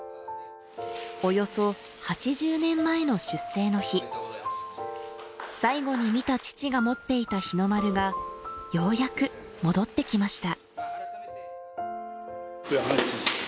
およそ８０年前の出征の日最後に見た父が持っていた日の丸がようやく戻ってきました